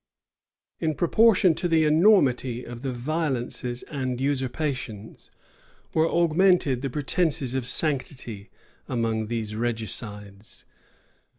In proportion to the enormity of the violences and usurpations, were augmented the pretences of sanctity, among those regicides.